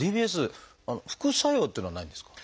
ＤＢＳ副作用っていうのはないんですか？